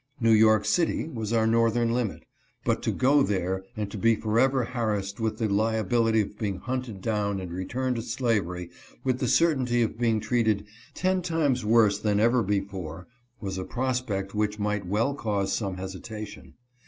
New York City was our northern limit, and to go there and to be forever harassed with the lia bility of being hunted down and returned to slavery, with the certainty of being treated ten times worse than ever before, was a prospect which might well cause some hesi tation.